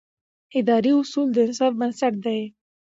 اداري اصول د انصاف بنسټ دی.